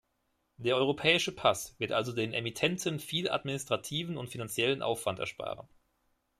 Der Europäische Pass wird also den Emittenten viel administrativen und finanziellen Aufwand ersparen.